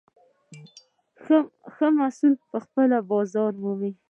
ښه محصول پخپله بازار مومي.